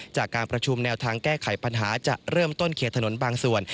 จากการประชุมแนวทางแก้ไขปัญหาจะเริ่มต้นเคลียร์ถนนบางส่วน